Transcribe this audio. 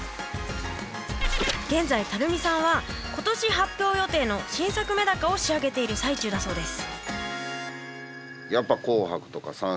現在垂水さんは今年発表予定の新作メダカを仕上げている最中だそうです。